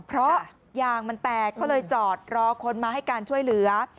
เพราะยางมันแตกก็เลยจอดรอคนมาให้การช่วยเหลือ